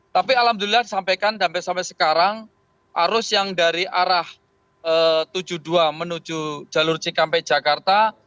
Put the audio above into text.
tapi alhamdulillah disampaikan sampai sekarang arus yang dari arah tujuh puluh dua menuju jalur cikampek jakarta